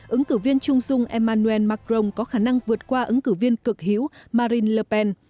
ứng cử viên trung dung emmanuel macron có khả năng vượt qua ứng cử viên cực hiếu marine le pen